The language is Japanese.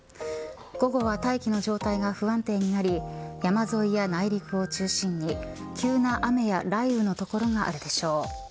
午後は大気の状態が不安定になり山沿いや内陸を中心に急な雨や雷雨の所があるでしょう。